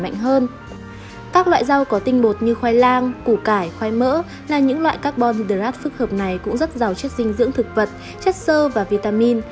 các loại rau có tinh bột như khoai lang củ cải khoai mỡ là những loại carbon hydrat phức hợp này cũng rất giàu chất dinh dưỡng thực vật chất sơ và vitamin